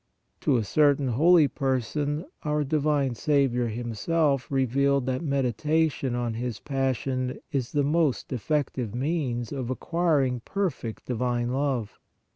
To a cer tain holy person our divine Saviour Himself re vealed that meditation on His passion is the most effective means of acquiring perfect divine love.